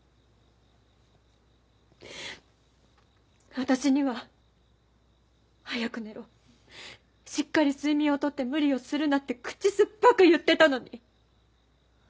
私には「早く寝ろ。しっかり睡眠をとって無理をするな」って口酸っぱく言ってたのに。